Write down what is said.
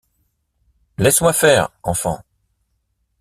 Laisse-moi faire, enfant !